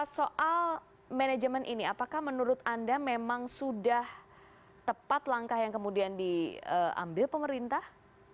soal manajemen ini apakah menurut anda memang sudah tepat langkah yang kemudian diambil pemerintah